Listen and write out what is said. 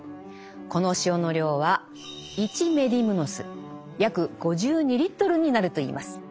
この塩の量は１メディムノス約５２リットルになるといいます。